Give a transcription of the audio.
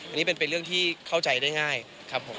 อันนี้เป็นเรื่องที่เข้าใจได้ง่ายครับผม